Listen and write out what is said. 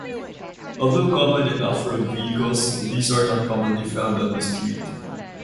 Although common in off-road vehicles these are not commonly found on the street.